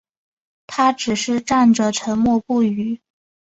他只是站着沉默不语